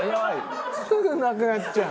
すぐなくなっちゃう。